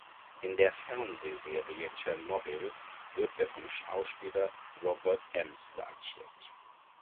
In der Fernsehserie "Chernobyl" wird er vom Schauspieler Robert Emms dargestellt.